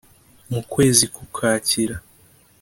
mu kwezi k Ukwakira